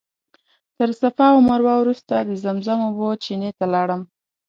تر صفا او مروه وروسته د زمزم اوبو چینې ته لاړم.